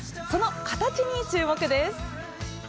その形に注目です。